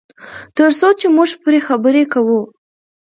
تر څو چې موږ پرې خبرې کوو.